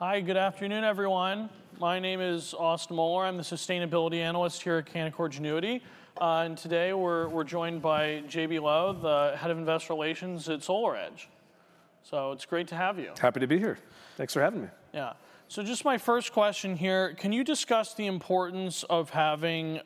Hi, good afternoon everyone. My name is Austin Moeller. I'm the sustainability analyst here at Canaccord Genuity. And today, we're joined by J.B. Lowe, the head of investor relations at SolarEdge. So it's great to have you. Happy to be here. Thanks for having me. Yeah. So just my first question here, can you discuss the importance of having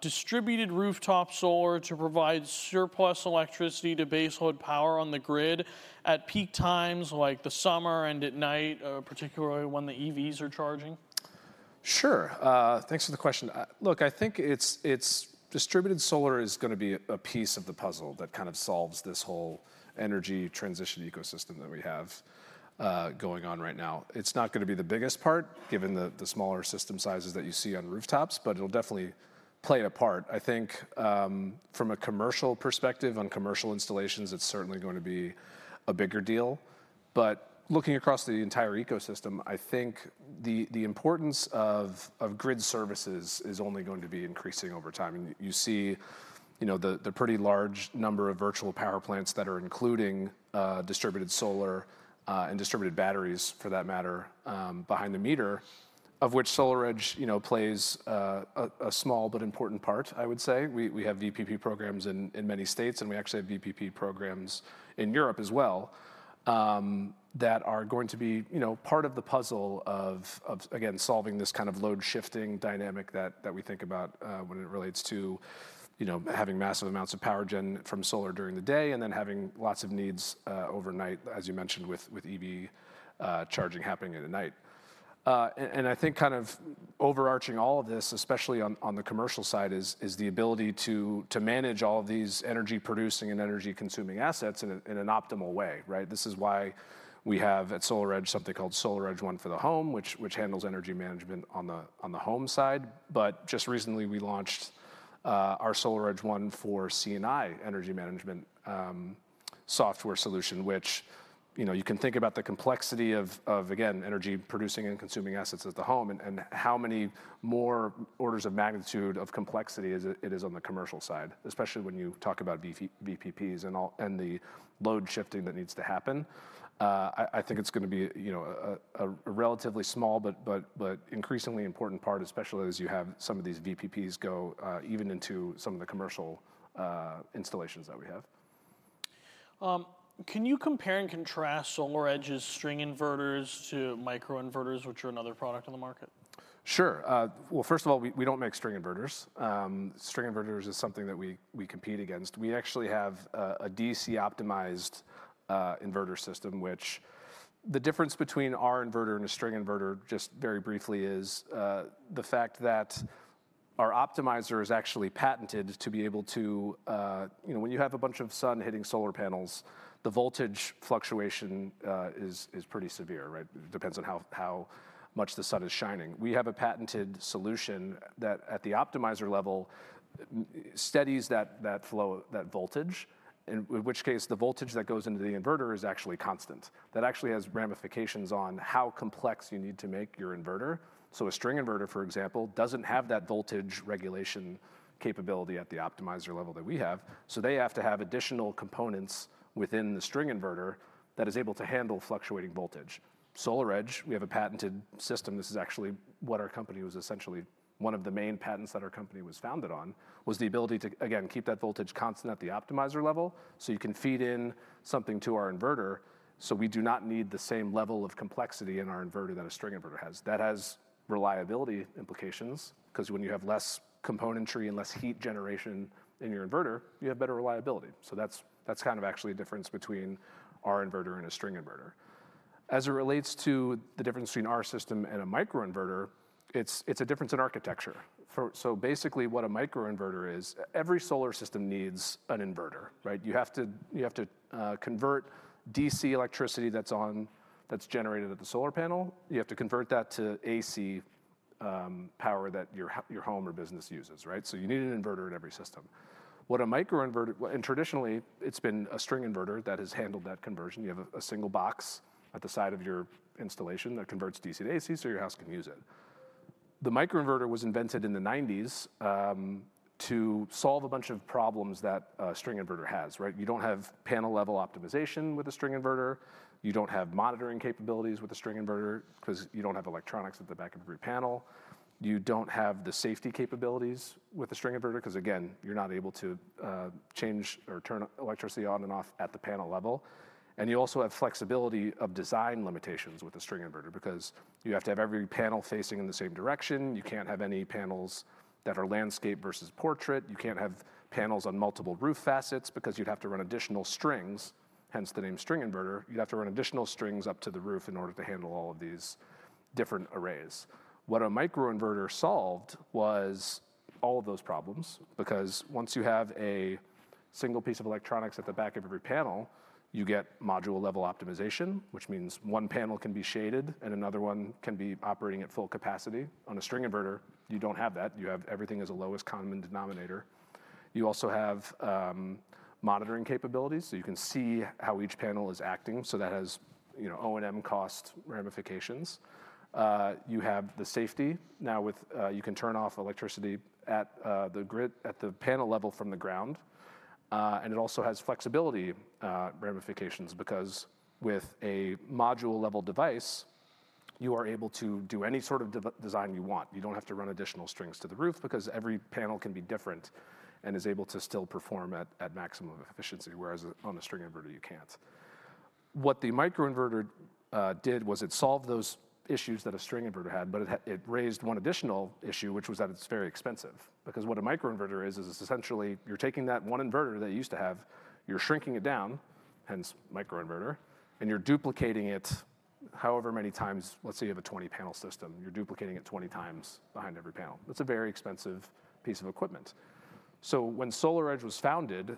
distributed rooftop solar to provide surplus electricity to base load power on the grid at peak times, like the summer and at night, particularly when the EVs are charging? Sure. Thanks for the question. Look, I think distributed solar is gonna be a piece of the puzzle that kind of solves this whole energy transition ecosystem that we have going on right now. It's not gonna be the biggest part, given the smaller system sizes that you see on rooftops, but it'll definitely play a part. I think from a commercial perspective, on commercial installations, it's certainly going to be a bigger deal, but looking across the entire ecosystem, I think the importance of grid services is only going to be increasing over time. And you see, you know, the pretty large number of virtual power plants that are including distributed solar and distributed batteries, for that matter, behind the meter, of which SolarEdge, you know, plays a small but important part, I would say. We have VPP programs in many states, and we actually have VPP programs in Europe as well, that are going to be, you know, part of the puzzle of, again, solving this kind of load shifting dynamic that we think about when it relates to, you know, having massive amounts of power gen from solar during the day and then having lots of needs overnight, as you mentioned, with EV charging happening in the night. And I think kind of overarching all of this, especially on the commercial side, is the ability to manage all of these energy-producing and energy-consuming assets in an optimal way, right? This is why we have, at SolarEdge, something called SolarEdge ONE for the Home, which handles energy management on the home side. But just recently, we launched our SolarEdge ONE for C&I energy management software solution, which, you know, you can think about the complexity of again energy-producing and -consuming assets at the home, and how many more orders of magnitude of complexity is it is on the commercial side, especially when you talk about VPPs and all, and the load shifting that needs to happen. I think it's gonna be, you know, a relatively small but increasingly important part, especially as you have some of these VPPs go even into some of the commercial installations that we have. Can you compare and contrast SolarEdge's string inverters to microinverters, which are another product on the market? Sure. Well, first of all, we, we don't make string inverters. String inverters is something that we, we compete against. We actually have a DC-optimized inverter system, which... The difference between our inverter and a string inverter, just very briefly, is the fact that our optimizer is actually patented to be able to... You know, when you have a bunch of sun hitting solar panels, the voltage fluctuation is pretty severe, right? Depends on how much the sun is shining. We have a patented solution that, at the optimizer level, steadies that flow, that voltage, in which case, the voltage that goes into the inverter is actually constant. That actually has ramifications on how complex you need to make your inverter. So a string inverter, for example, doesn't have that voltage regulation capability at the optimizer level that we have, so they have to have additional components within the string inverter that is able to handle fluctuating voltage. SolarEdge, we have a patented system. This is actually what our company was essentially... One of the main patents that our company was founded on, was the ability to, again, keep that voltage constant at the optimizer level so you can feed in something to our inverter, so we do not need the same level of complexity in our inverter that a string inverter has. That has reliability implications, 'cause when you have less componentry and less heat generation in your inverter, you have better reliability. So that's kind of actually the difference between our inverter and a string inverter. As it relates to the difference between our system and a microinverter, it's a difference in architecture. So basically, what a microinverter is... Every solar system needs an inverter, right? You have to convert DC electricity that's generated at the solar panel, you have to convert that to AC power that your home or business uses, right? So you need an inverter in every system. What a microinverter and traditionally, it's been a string inverter that has handled that conversion. You have a single box at the side of your installation that converts DC to AC, so your house can use it. The microinverter was invented in the '90s to solve a bunch of problems that a string inverter has, right? You don't have panel-level optimization with a string inverter. You don't have monitoring capabilities with a string inverter, 'cause you don't have electronics at the back of every panel. You don't have the safety capabilities with a string inverter, 'cause again, you're not able to, change or turn electricity on and off at the panel level. And you also have flexibility of design limitations with a string inverter, because you have to have every panel facing in the same direction. You can't have any panels that are landscape versus portrait. You can't have panels on multiple roof facets, because you'd have to run additional strings, hence the name string inverter. You'd have to run additional strings up to the roof in order to handle all of these different arrays. What a microinverter solved was all of those problems, because once you have a single piece of electronics at the back of every panel, you get module level optimization, which means one panel can be shaded, and another one can be operating at full capacity. On a string inverter, you don't have that. You have everything as a lowest common denominator. You also have monitoring capabilities, so you can see how each panel is acting, so that has, you know, O&M cost ramifications. You have the safety. Now with you can turn off electricity at the grid, at the panel level from the ground. And it also has flexibility ramifications, because with a module level device, you are able to do any sort of design you want. You don't have to run additional strings to the roof, because every panel can be different, and is able to still perform at maximum efficiency, whereas on a string inverter, you can't. What the microinverter did was it solved those issues that a string inverter had, but it raised one additional issue, which was that it's very expensive. Because what a microinverter is, is essentially you're taking that one inverter that you used to have, you're shrinking it down, hence microinverter, and you're duplicating it however many times... Let's say you have a 20-panel system, you're duplicating it 20x behind every panel. That's a very expensive piece of equipment. So when SolarEdge was founded,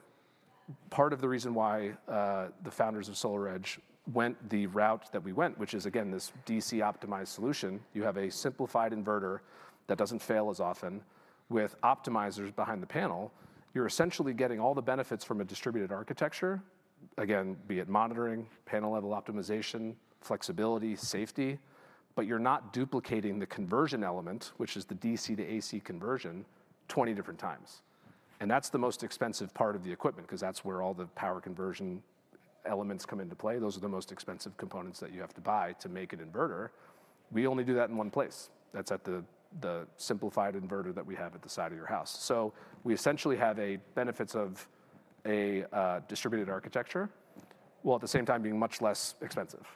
part of the reason why, the founders of SolarEdge went the route that we went, which is, again, this DC optimized solution, you have a simplified inverter that doesn't fail as often with optimizers behind the panel. You're essentially getting all the benefits from a distributed architecture, again, be it monitoring, panel-level optimization, flexibility, safety, but you're not duplicating the conversion element, which is the DC to AC conversion, 20 different times. And that's the most expensive part of the equipment, 'cause that's where all the power conversion elements come into play. Those are the most expensive components that you have to buy to make an inverter. We only do that in one place. That's at the simplified inverter that we have at the side of your house. So we essentially have a benefits of a distributed architecture, while at the same time being much less expensive.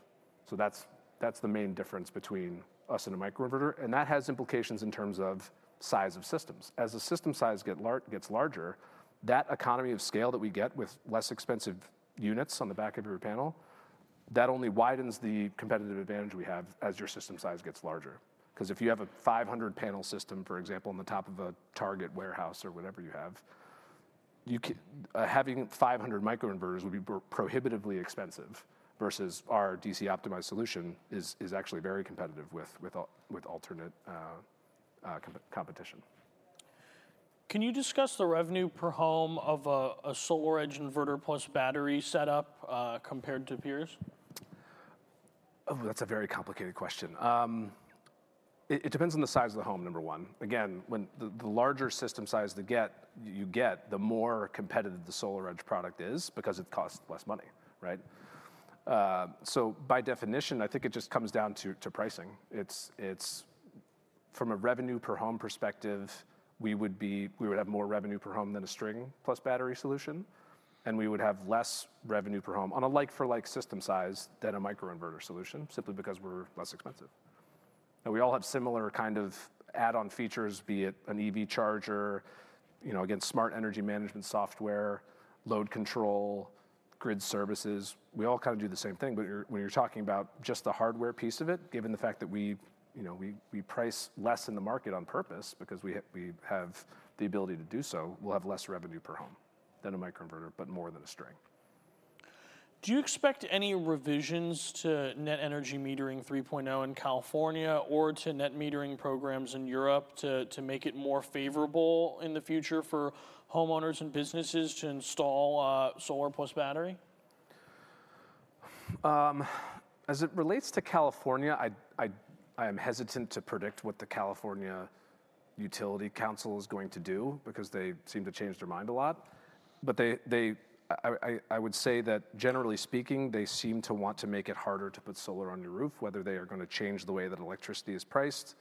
So that's the main difference between us and a microinverter, and that has implications in terms of size of systems. As the system size gets larger, that economy of scale that we get with less expensive units on the back of your panel, that only widens the competitive advantage we have as your system size gets larger. 'Cause if you have a 500-panel system, for example, on the top of a Target warehouse or whatever you have, having 500 microinverters would be prohibitively expensive, versus our DC optimized solution is actually very competitive with alternate competition. Can you discuss the revenue per home of a SolarEdge inverter plus battery setup, compared to peers? Oh, that's a very complicated question. It depends on the size of the home, number one. Again, when the larger system size you get, the more competitive the SolarEdge product is, because it costs less money, right? So by definition, I think it just comes down to pricing. It's... From a revenue per home perspective, we would have more revenue per home than a string plus battery solution, and we would have less revenue per home on a like for like system size than a microinverter solution, simply because we're less expensive. And we all have similar kind of add-on features, be it an EV charger, you know, again, smart energy management software, load control, grid services. We all kind of do the same thing, but when you're talking about just the hardware piece of it, given the fact that we, you know, we price less in the market on purpose because we have the ability to do so, we'll have less revenue per home than a microinverter, but more than a string. Do you expect any revisions to Net Energy Metering 3.0 in California or to net metering programs in Europe to make it more favorable in the future for homeowners and businesses to install solar plus battery? As it relates to California, I am hesitant to predict what the California Utility Council is going to do, because they seem to change their mind a lot. But I would say that generally speaking, they seem to want to make it harder to put solar on your roof, whether they are gonna change the way that electricity is priced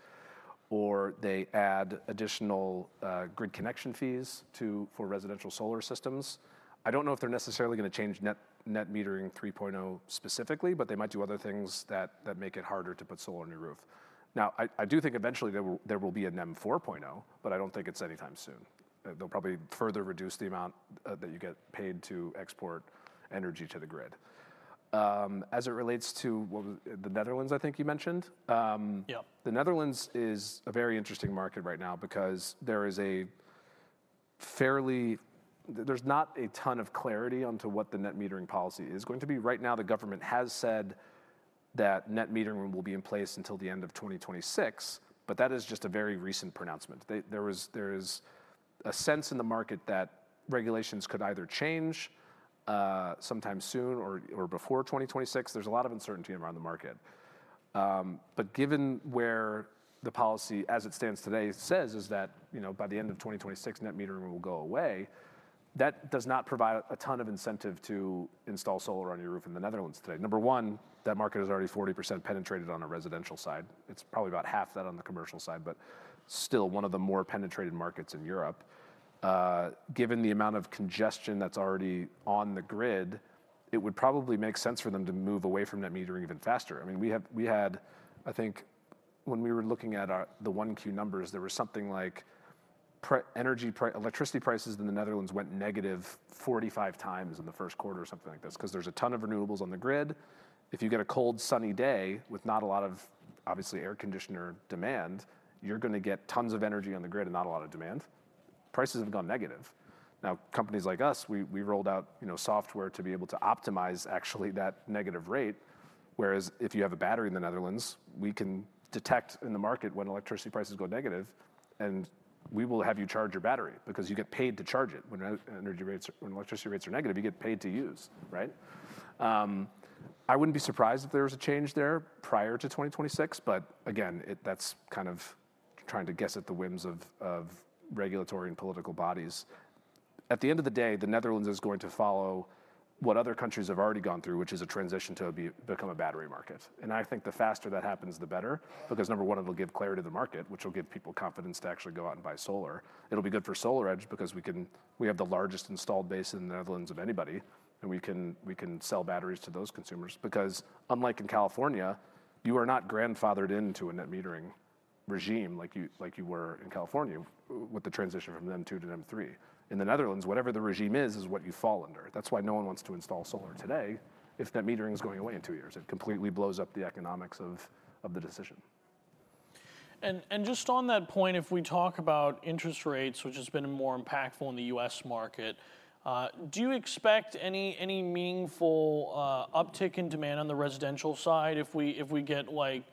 or they add additional grid connection fees for residential solar systems. I don't know if they're necessarily gonna change net metering 3.0 specifically, but they might do other things that make it harder to put solar on your roof. Now, I do think eventually there will be a NEM 4.0, but I don't think it's anytime soon. They'll probably further reduce the amount that you get paid to export energy to the grid. As it relates to what, the Netherlands, I think you mentioned? Yeah The Netherlands is a very interesting market right now, because there's not a ton of clarity onto what the net metering policy is going to be. Right now, the government has said that net metering will be in place until the end of 2026, but that is just a very recent pronouncement. There is a sense in the market that regulations could either change sometime soon or before 2026. There's a lot of uncertainty around the market. But given where the policy as it stands today says is that, you know, by the end of 2026, net metering will go away, that does not provide a ton of incentive to install solar on your roof in the Netherlands today. Number one, that market is already 40% penetrated on the residential side. It's probably about half that on the commercial side, but still one of the more penetrated markets in Europe. Given the amount of congestion that's already on the grid, it would probably make sense for them to move away from net metering even faster. I mean, I think, when we were looking at the 1Q numbers, there was something like electricity prices in the Netherlands went negative 45x in the first quarter, or something like this, 'cause there's a ton of renewables on the grid. If you get a cold, sunny day with not a lot of, obviously, air conditioner demand, you're gonna get tons of energy on the grid and not a lot of demand. Prices have gone negative. Now, companies like us, we rolled out, you know, software to be able to optimize actually that negative rate. Whereas if you have a battery in the Netherlands, we can detect in the market when electricity prices go negative, and we will have you charge your battery, because you get paid to charge it. When energy rates, when electricity rates are negative, you get paid to use, right? I wouldn't be surprised if there was a change there prior to 2026, but again, that's trying to guess at the whims of regulatory and political bodies. At the end of the day, the Netherlands is going to follow what other countries have already gone through, which is a transition to become a battery market. I think the faster that happens, the better, because number one, it'll give clarity to the market, which will give people confidence to actually go out and buy solar. It'll be good for SolarEdge because we can- we have the largest installed base in the Netherlands of anybody, and we can, we can sell batteries to those consumers. Because unlike in California, you are not grandfathered into a net metering regime like you, like you were in California with the transition from NEM 2 to NEM 3. In the Netherlands, whatever the regime is, is what you fall under. That's why no one wants to install solar today, if net metering is going away in two years. It completely blows up the economics of, of the decision. Just on that point, if we talk about interest rates, which has been more impactful in the U.S. market, do you expect any meaningful uptick in demand on the residential side if we get, like,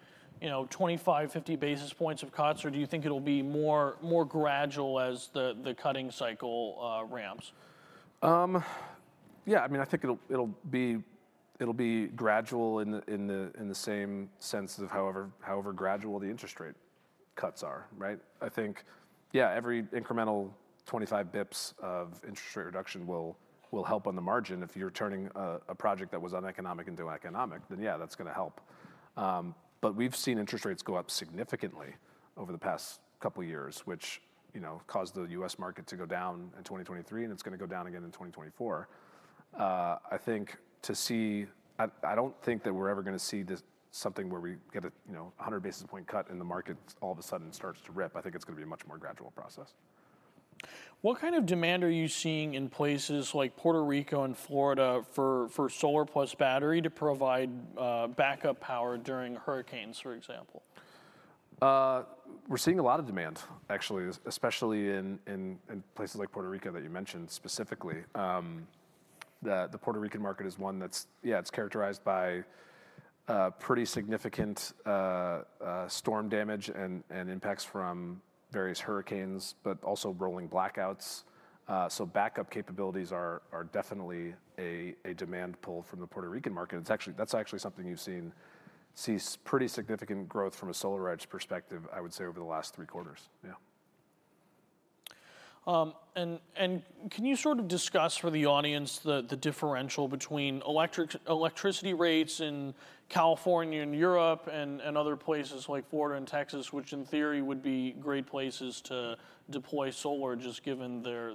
you know, 25-50 basis points of cuts? Or do you think it'll be more gradual as the cutting cycle ramps? Yeah, I mean, I think it'll be gradual in the same sense of however gradual the interest rate cuts are, right? I think, yeah, every incremental 25 basis points of interest rate reduction will help on the margin. If you're turning a project that was uneconomic into economic, then yeah, that's gonna help. But we've seen interest rates go up significantly over the past couple years, which, you know, caused the U.S. market to go down in 2023, and it's gonna go down again in 2024. I think to see... I don't think that we're ever gonna see something where we get a, you know, 100 basis point cut and the market all of a sudden starts to rip. I think it's gonna be a much more gradual process. What kind of demand are you seeing in places like Puerto Rico and Florida for solar plus battery to provide backup power during hurricanes, for example? We're seeing a lot of demand, actually, especially in places like Puerto Rico that you mentioned specifically. The Puerto Rican market is one that's, yeah, it's characterized by pretty significant storm damage and impacts from various hurricanes, but also rolling blackouts. So backup capabilities are definitely a demand pull from the Puerto Rican market. It's actually, that's actually something you've seen pretty significant growth from a SolarEdge perspective, I would say, over the last three quarters. Yeah. Can you sort of discuss for the audience the differential between electricity rates in California and Europe and other places like Florida and Texas, which in theory would be great places to deploy solar, just given their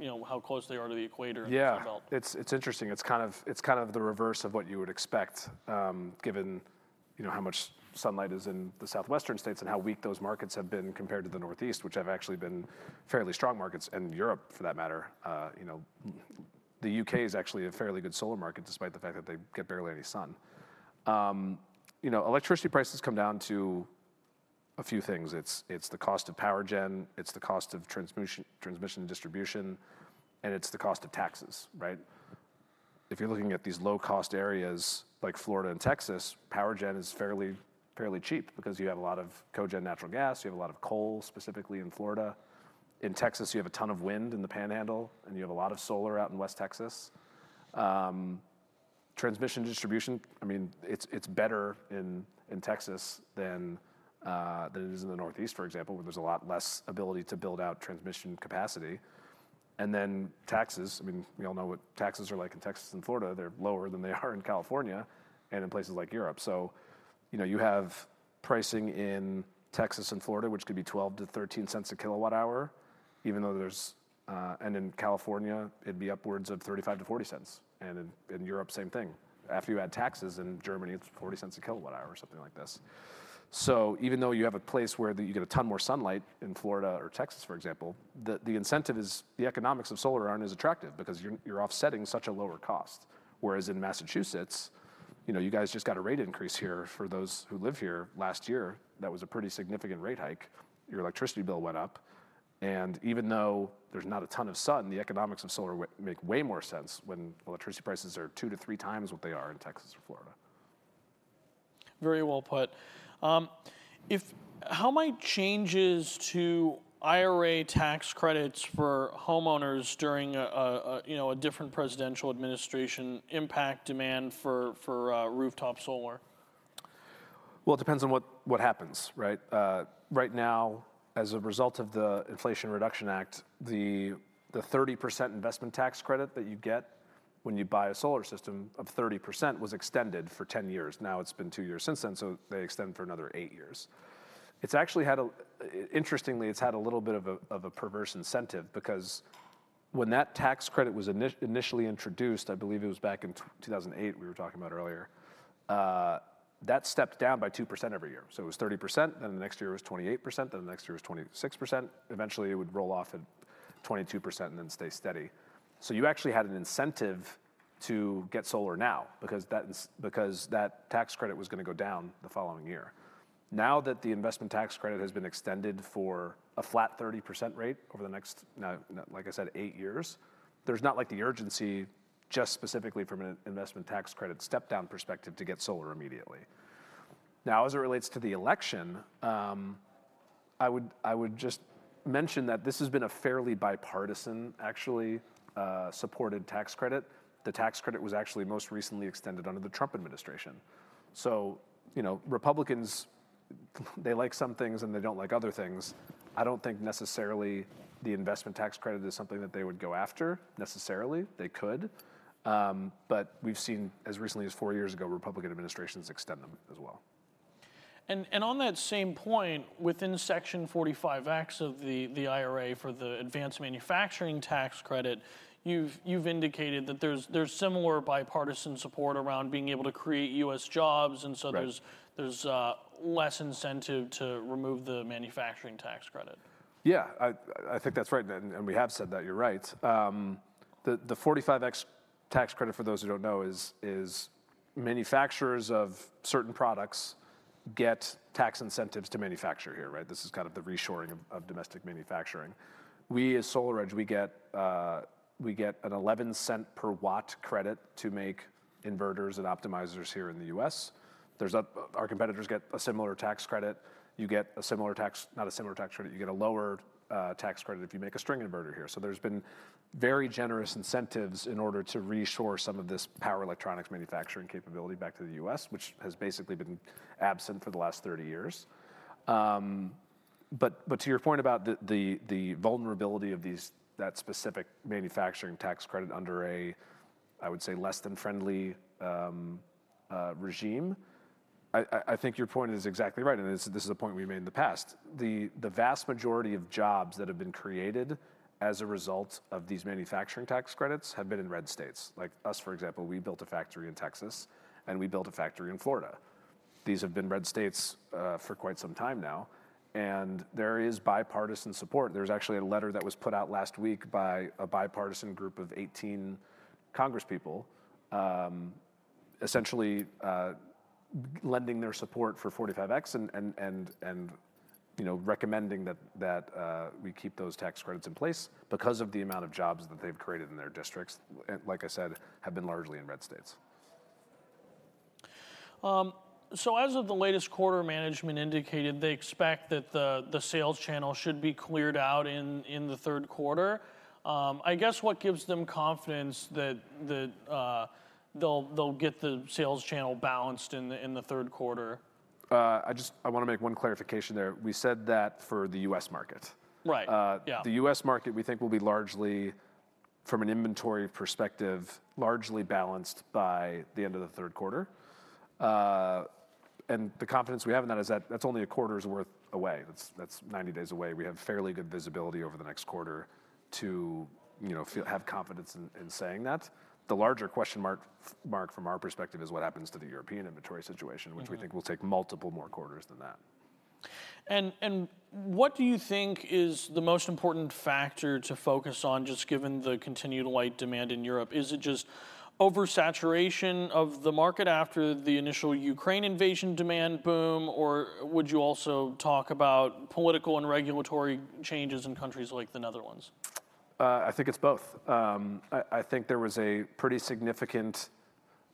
you know how close they are to the equator and the Sun Belt? Yeah, it's interesting. It's kind of the reverse of what you would expect, given, you know, how much sunlight is in the southwestern states and how weak those markets have been compared to the northeast, which have actually been fairly strong markets, and Europe, for that matter. You know, the UK is actually a fairly good solar market, despite the fact that they get barely any sun. You know, electricity prices come down to a few things. It's the cost of power gen, it's the cost of transmission and distribution, and it's the cost of taxes, right? If you're looking at these low-cost areas like Florida and Texas, power gen is fairly cheap because you have a lot of cogen natural gas, you have a lot of coal, specifically in Florida. In Texas, you have a ton of wind in the Panhandle, and you have a lot of solar out in West Texas. Transmission distribution, I mean, it's better in Texas than it is in the northeast, for example, where there's a lot less ability to build out transmission capacity. And then taxes, I mean, we all know what taxes are like in Texas and Florida, they're lower than they are in California and in places like Europe. So, you know, you have pricing in Texas and Florida, which could be $0.12-$0.13/kWh, even though there's, and in California, it'd be upwards of $0.35-$0.40/kWh. And in Europe, same thing. After you add taxes in Germany, it's $0.40/kWh or something like this. So even though you have a place where you get a ton more sunlight, in Florida or Texas, for example, the incentive is... the economics of solar aren't as attractive because you're offsetting such a lower cost. Whereas in Massachusetts, you know, you guys just got a rate increase here for those who live here last year, that was a pretty significant rate hike. Your electricity bill went up, and even though there's not a ton of sun, the economics of solar make way more sense when electricity prices are two to three times what they are in Texas or Florida. Very well put. How might changes to IRA tax credits for homeowners during a, you know, a different presidential administration impact demand for rooftop solar? Well, it depends on what happens, right? Right now, as a result of the Inflation Reduction Act, the 30% investment tax credit that you get when you buy a solar system, of 30% was extended for 10 years. Now, it's been two years since then, so they extend for another eight years. It's actually had a, interestingly, it's had a little bit of a, of a perverse incentive, because when that tax credit was initially introduced, I believe it was back in 2008, we were talking about earlier, that stepped down by 2% every year. So it was 30%, then the next year it was 28%, then the next year was 26%. Eventually, it would roll off at 22% and then stay steady. So you actually had an incentive to get solar now, because that tax credit was gonna go down the following year. Now that the investment tax credit has been extended for a flat 30% rate over the next, now, like I said, eight years, there's not, like, the urgency just specifically from an investment tax credit step-down perspective to get solar immediately. Now, as it relates to the election, I would, I would just mention that this has been a fairly bipartisan, actually, supported tax credit. The tax credit was actually most recently extended under the Trump administration. So, you know, Republicans. They like some things and they don't like other things. I don't think necessarily the investment tax credit is something that they would go after necessarily. They could, but we've seen as recently as four years ago, Republican administrations extend them as well. On that same point, within Section 45X of the IRA for the advanced manufacturing tax credit, you've indicated that there's similar bipartisan support around being able to create U.S. jobs- Right. And so there's less incentive to remove the manufacturing tax credit. Yeah, I think that's right, and we have said that, you're right. The 45X tax credit, for those who don't know, is manufacturers of certain products get tax incentives to manufacture here, right? This is kind of the reshoring of domestic manufacturing. We, as SolarEdge, we get an $0.11-per-watt credit to make inverters and optimizers here in the U.S. There's a. Our competitors get a similar tax credit. You get a similar tax, not a similar tax credit, you get a lower tax credit if you make a string inverter here. So there's been very generous incentives in order to reshore some of this power electronics manufacturing capability back to the U.S., which has basically been absent for the last 30 years. But to your point about the vulnerability of these, that specific manufacturing tax credit under a, I would say, less than friendly regime, I think your point is exactly right, and this is a point we've made in the past. The vast majority of jobs that have been created as a result of these manufacturing tax credits have been in red states. Like us, for example, we built a factory in Texas, and we built a factory in Florida. These have been red states for quite some time now, and there is bipartisan support. There's actually a letter that was put out last week by a bipartisan group of 18 congresspeople, essentially, lending their support for 45X and, you know, recommending that we keep those tax credits in place because of the amount of jobs that they've created in their districts. And like I said, have been largely in red states. So as of the latest quarter, management indicated they expect that the sales channel should be cleared out in the third quarter. I guess what gives them confidence that they'll get the sales channel balanced in the third quarter? I just... I want to make one clarification there. We said that for the U.S. market. Right. Yeah. The U.S. market, we think will be largely, from an inventory perspective, largely balanced by the end of the third quarter. And the confidence we have in that is that that's only a quarter's worth away, that's 90 days away. We have fairly good visibility over the next quarter to, you know, feel, have confidence in saying that. The larger question mark from our perspective is what happens to the European inventory situation- Mm. which we think will take multiple more quarters than that. What do you think is the most important factor to focus on, just given the continued light demand in Europe? Is it just oversaturation of the market after the initial Ukraine invasion demand boom, or would you also talk about political and regulatory changes in countries like the Netherlands? I think it's both. I think there was a pretty significant,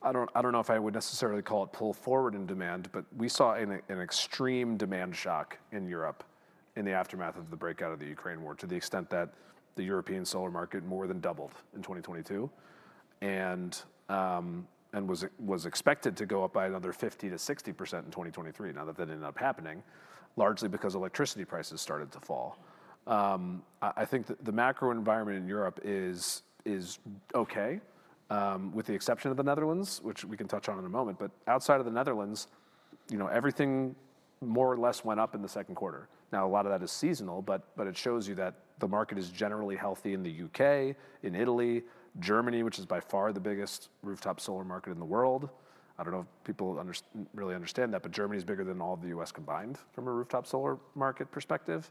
I don't know if I would necessarily call it pull forward in demand, but we saw an extreme demand shock in Europe in the aftermath of the breakout of the Ukraine war, to the extent that the European solar market more than doubled in 2022. And was expected to go up by another 50%-60% in 2023. Now, that didn't end up happening, largely because electricity prices started to fall. I think the macro environment in Europe is okay, with the exception of the Netherlands, which we can touch on in a moment, but outside of the Netherlands, you know, everything more or less went up in the second quarter. Now, a lot of that is seasonal, but it shows you that the market is generally healthy in the UK, in Italy, Germany, which is by far the biggest rooftop solar market in the world. I don't know if people really understand that, but Germany is bigger than all of the US combined from a rooftop solar market perspective.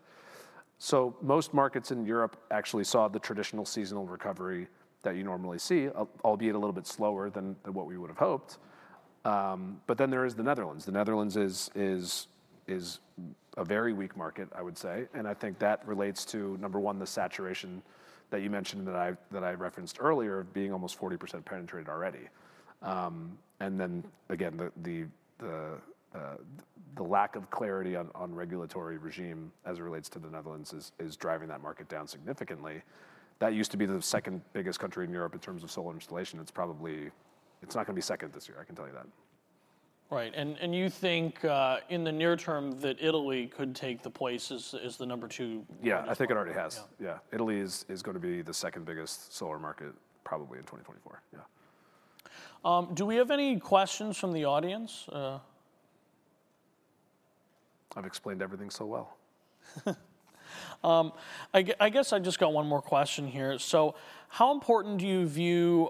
So most markets in Europe actually saw the traditional seasonal recovery that you normally see, albeit a little bit slower than what we would've hoped. But then there is the Netherlands. The Netherlands is a very weak market, I would say, and I think that relates to, number one, the saturation that you mentioned, that I referenced earlier, being almost 40% penetrated already. And then again, the lack of clarity on regulatory regime as it relates to the Netherlands is driving that market down significantly. That used to be the second biggest country in Europe in terms of solar installation. It's probably... It's not gonna be second this year, I can tell you that. Right. And you think, in the near term, that Italy could take the place as the number two? Yeah. market? I think it already has. Yeah. Yeah. Italy is gonna be the second biggest solar market, probably in 2024, yeah. Do we have any questions from the audience? I've explained everything so well. I guess I've just got one more question here. So how important do you view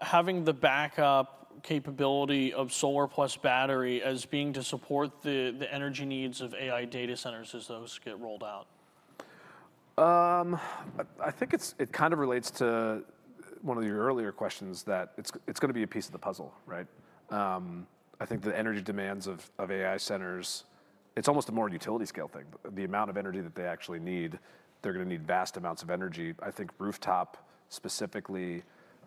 having the backup capability of solar plus battery as being to support the energy needs of AI data centers as those get rolled out? I think it kind of relates to one of your earlier questions, that it's gonna be a piece of the puzzle, right? I think the energy demands of AI centers, it's almost a more utility-scale thing. The amount of energy that they actually need, they're gonna need vast amounts of energy. I think rooftop specifically,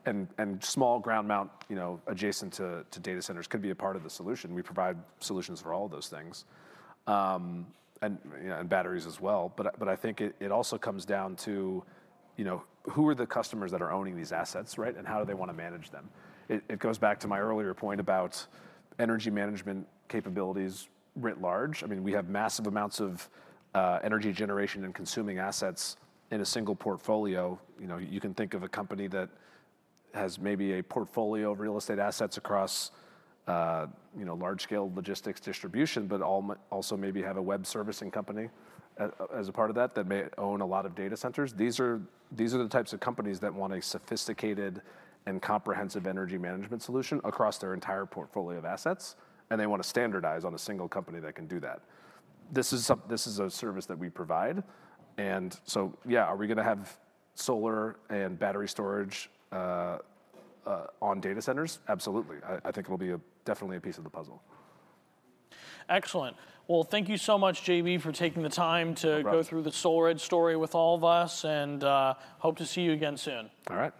and small ground-mount, you know, adjacent to data centers, could be a part of the solution. We provide solutions for all of those things. You know, and batteries as well. But I think it also comes down to, you know, who are the customers that are owning these assets, right? And how do they want to manage them? It goes back to my earlier point about energy management capabilities writ large. I mean, we have massive amounts of energy generation and consuming assets in a single portfolio. You know, you can think of a company that has maybe a portfolio of real estate assets across you know, large-scale logistics distribution, but also maybe have a web servicing company, as a part of that, that may own a lot of data centers. These are the types of companies that want a sophisticated and comprehensive energy management solution across their entire portfolio of assets, and they want to standardize on a single company that can do that. This is a service that we provide, and so, yeah, are we gonna have solar and battery storage on data centers? Absolutely. I think it will be definitely a piece of the puzzle. Excellent. Well, thank you so much, J.B., for taking the time to- My pleasure go through the SolarEdge story with all of us, and hope to see you again soon. All right.